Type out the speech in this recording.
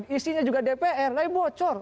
isinya juga dpr tapi bocor